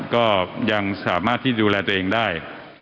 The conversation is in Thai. ก็ยังสามารถที่ดูแลตัวเองได้